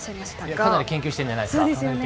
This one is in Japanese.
かなり研究してるんじゃないですか。